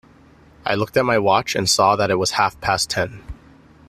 I looked at my watch, and saw that it was half-past ten.